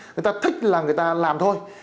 người ta thích là người ta làm thôi